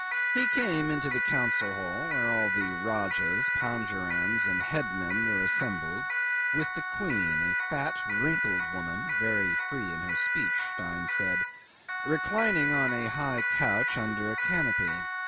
He came into the council hall where all the rajahs, pangerans, and headmen were assembled, with the queen, a fat wrinkled woman (very free in her speech, Stein said), reclining on a high couch under a canopy.